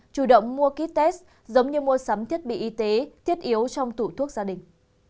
chủ động mua ký test giống như mua sắm thiết bị y tế thiết yếu trong tủ thuốc gia đình